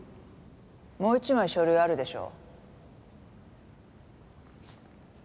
もう１枚書類あるでしょ。